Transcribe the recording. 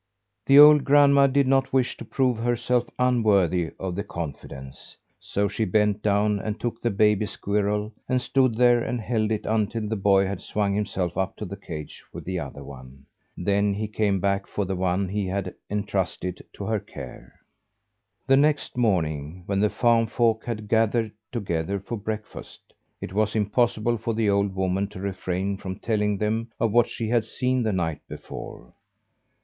The old grandma did not wish to prove herself unworthy of the confidence, so she bent down and took the baby squirrel, and stood there and held it until the boy had swung himself up to the cage with the other one. Then he came back for the one he had entrusted to her care. The next morning, when the farm folk had gathered together for breakfast, it was impossible for the old woman to refrain from telling them of what she had seen the night before.